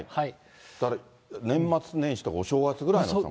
だから、年末年始とか、お正月ぐらいの寒さ？